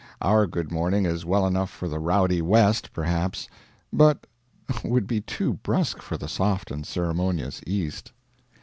Our good morning is well enough for the rowdy West, perhaps, but would be too brusque for the soft and ceremonious East.